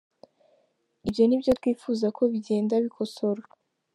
Ibyo ni byo twifuza ko bigenda bikosorwa.